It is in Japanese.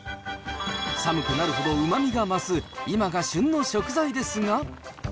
寒くなるほどうまみが増す、今が旬の食材ですが。